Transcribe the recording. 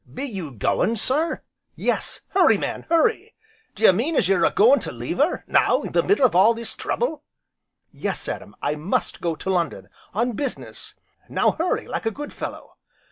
be you goin' sir?" "Yes; hurry, man, hurry!" "D'ye mean as you're a goin' to leave her now, in the middle o' all this trouble?" "Yes, Adam, I must go to London on business, now hurry, like a good fellow."